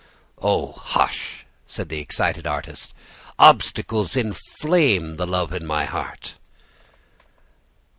"'Oh, hush!' said the excited artist. 'Obstacles inflame the love in my heart.